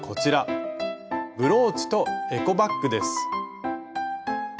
ブローチとエコバッグです。